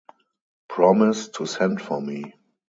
Promise to send for me.